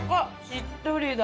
しっとりだ。